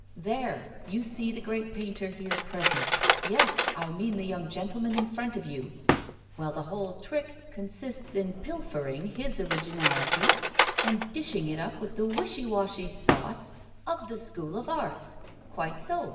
There! you see the great painter here present. Yes; I mean the young gentleman in front of you. Well, the whole trick consists in pilfering his originality, and dishing it up with the wishy washy sauce of the School of Arts! Quite so!